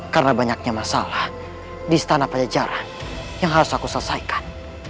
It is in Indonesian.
karena banyaknya masalah di istana pajajara yang harus aku selesaikan